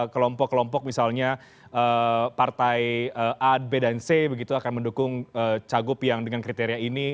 kelompok kelompok misalnya partai a b dan c begitu akan mendukung cagup yang dengan kriteria ini